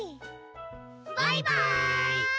バイバーイ！